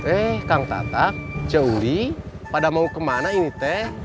eh kang tatak jowli pada mau kemana ini teh